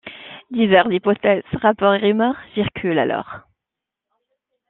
Diverses hypothèses, rapports et rumeurs circulent alors.